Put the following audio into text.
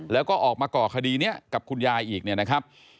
แล้วก็ออกมาก่อคดีนี้กับคุณยายอีกเนี่ยนะครับ